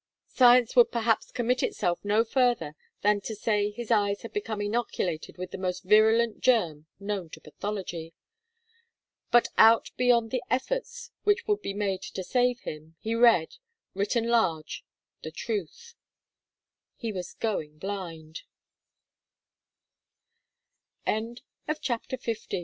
Science would perhaps commit itself no further than to say his eyes had become inoculated with the most virulent germ known to pathology. But out beyond the efforts which would be made to save him, he read written large the truth. He was going blind. CHAPTER XVI "GOOD LUCK,